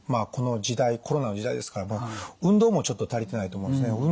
この時代コロナの時代ですから運動もちょっと足りてないと思うんですね。